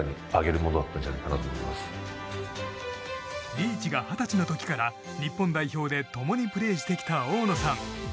リーチが二十歳の時から日本代表で共にプレーしてきた大野さん。